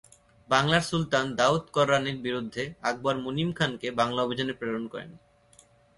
বাংলার সুলতান দাউদ কররানীর বিরুদ্ধে আকবর মুনিম খানকে বাংলা অভিযানে প্রেরণ করেন।